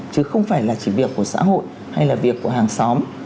chứ không phải là chỉ việc của xã hội hay là việc của hàng xóm